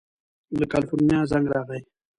له کلیفورنیا زنګ راغی.